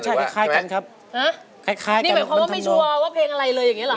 นี่หมายความว่าไม่ชัวร์ว่าเพลงอะไรเลยอย่างนี้หรอ